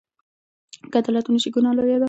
که عدالت ونشي، ګناه لویه ده.